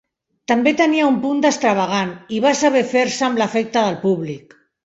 També tenia un punt d'extravagant i va saber fer-se amb l'afecte del públic.